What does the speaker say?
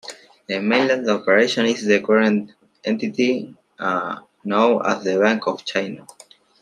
The Mainland operation is the current entity known as the Bank of China.